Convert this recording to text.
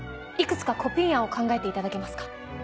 いくつかコピー案を考えていただけますか。